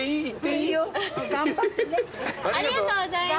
ありがとうございます。